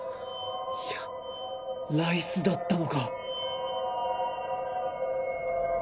いやライスだったのか。